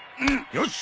よし！